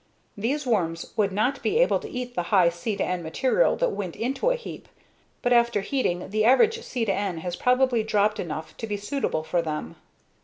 These worms would not be able to eat the high C/N material that went into a heap, but after heating, the average C/N has probably dropped enough to be suitable for them.